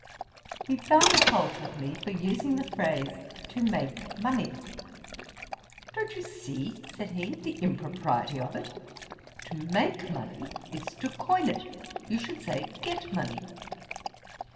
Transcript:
He found fault with me for using the phrase to make money. 'Don't you see (said he) the impropriety of it? To make money is to coin it: you should say get money.'